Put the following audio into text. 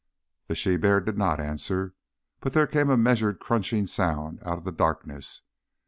The she bear did not answer, but there came a measured crunching sound out of the darkness.